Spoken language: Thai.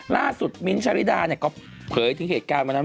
ล่าสุดมิ้นท์ชะริดาเนี่ยก็เผยถึงเหตุการณ์วันนั้น